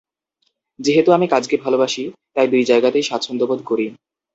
যেহেতু আমি কাজকে ভালোবাসি, তাই দুই জায়গাতেই স্বাচ্ছন্দ্যবোধ করি।